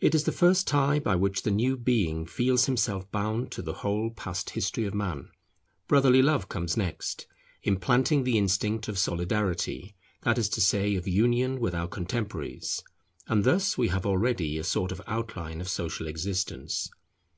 It is the first tie by which the new being feels himself bound to the whole past history of Man. Brotherly love comes next, implanting the instinct of Solidarity, that is to say of union with our contemporaries; and thus we have already a sort of outline of social existence.